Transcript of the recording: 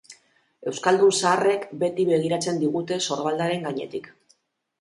Euskaldun zaharrek beti begiratzen digute sorbaldaren gainetik.